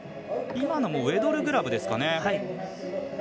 今のもウェドルグラブですかね。